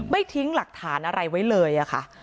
ทิ้งหลักฐานอะไรไว้เลยค่ะ